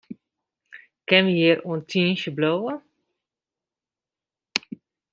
Kinne wy hjir oant tiisdei bliuwe?